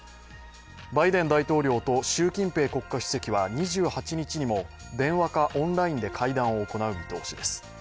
バイデン大統領と習近平国家主席は２８日にも電話かオンラインで会談を行う見通しです。